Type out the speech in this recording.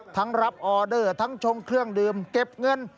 รับออเดอร์ทั้งชงเครื่องดื่มเก็บเงิน